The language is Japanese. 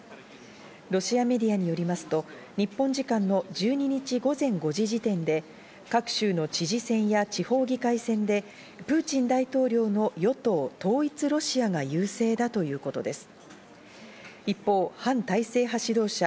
ロシアメディアによりますと、日本時間の１２日、午前５時時点で各州の知事選や地方議会選で、プーチン大統領の与党「統一ロシア」が優勢だということです。